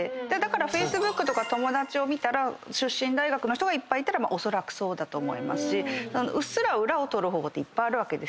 Ｆａｃｅｂｏｏｋとか友達を見たら出身大学の人がいっぱいいたらおそらくそうだと思いますしうっすら裏を取る方法いっぱいある。